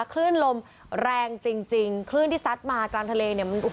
คลื่นลมแรงจริงคลื่นที่สัดมากลางทะเล